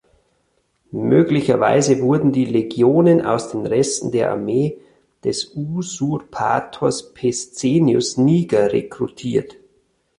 Möglicherweise wurden die Legionen aus den Resten der Armee des Usurpators Pescennius Niger rekrutiert.